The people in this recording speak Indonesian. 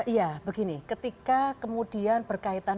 iya begini ketika kemudian berkaitan